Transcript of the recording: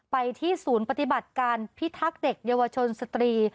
ไปที่ศูนย์ปฏิบัติการพิทักษ์เด็กเยาวชนสตรี